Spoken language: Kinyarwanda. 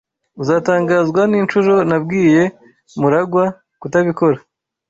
Uzatangazwa ninshuro nabwiye MuragwA kutabikora.